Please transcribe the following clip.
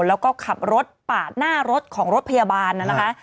แล้วก็ขับรถปาดหน้ารถของรถพยาบาลนะคะ